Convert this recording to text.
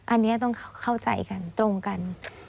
อันนี้ต้องเข้าใจกันตรงกัน